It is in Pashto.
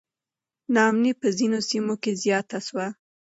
نا امني په ځینو سیمو کې زیاته سوه.